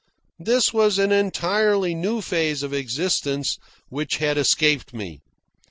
This was an entirely new phase of existence which had escaped me.